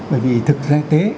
bởi vì thực gia y tế